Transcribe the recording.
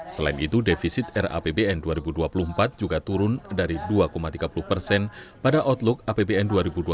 selain itu defisit rapbn dua ribu dua puluh empat juga turun dari dua tiga puluh persen pada outlook apbn dua ribu dua puluh satu